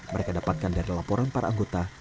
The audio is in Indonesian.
mereka dapatkan dari laporan para anggota